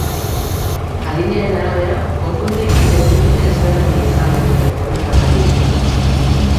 Adinaren arabera, ordutegi eta ibilbide ezberdina izango dute korrikalariek.